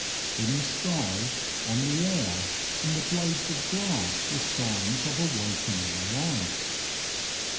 In the sky, on the air, in the blades of grass were signs of awakening life.